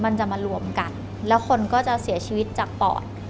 มันจะมารวมกันแล้วคนก็จะเสียชีวิตจากปอด